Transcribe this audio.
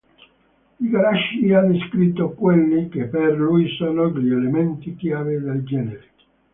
Igarashi ha descritto quelli che per lui sono gli elementi chiave del genere.